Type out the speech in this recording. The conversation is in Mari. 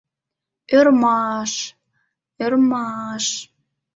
Ӧрмаш, ӧрмаш...»